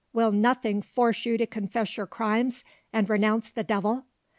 will nothing force you to confess your crimes and renounce the devil?"